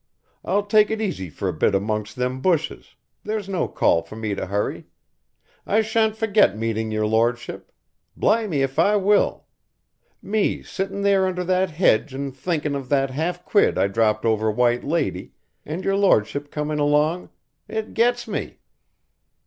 I'll take it easy for a bit amongst them bushes, there's no call for me to hurry. I shawnt forget meetin' your lor'ship. Blimy if I will. Me sittin' there under that hedge an' thinkin' of that half quid I dropped over 'White Lady' and your lor'ship comin' along It gets me!"